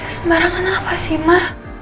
sembarangan apa sih ma